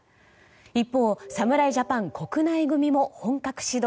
一方、侍ジャパン国内組も本格始動。